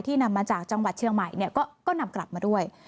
นำมาจากจังหวัดเชียงใหม่ก็นำกลับมาด้วย